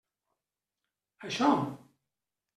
Això!